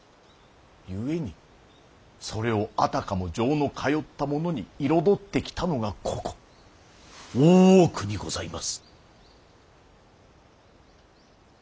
故にそれをあたかも情の通ったものに彩ってきたのがここ大奥にございます。